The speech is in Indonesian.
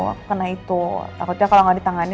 aku kena itu takutnya kalau nggak ditangani